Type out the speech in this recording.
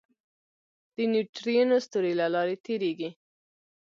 د نیوټرینو ستوري له لارې تېرېږي.